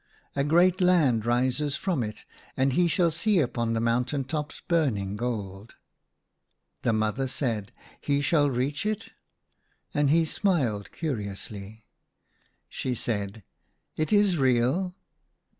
A great land rises from it, and he shall see upon the mountain tops burning gold." The mother said, " He shall reach it?" 96 A DREAM OF WILD BEES. And he smiled curiously. She said, " It is real